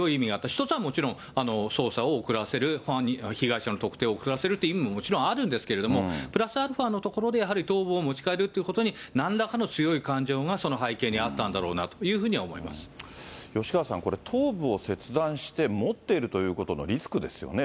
１つはもちろん捜査を遅らせる、被害者の特定を遅らせるという意味ももちろんあるんですけれども、プラスアルファーのところで、やはり頭部を持ち帰るということに、何らかの強い感情がその背景にあったんだろうなというふうには思吉川さん、これ、頭部を切断して持っているということのリスクですよね。